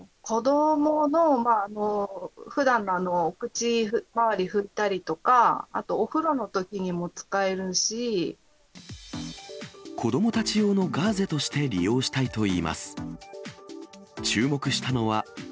子どものふだんの口周り拭いたりとか、あとお風呂のときにも使え子どもたち用のガーゼとして利用したいといいます。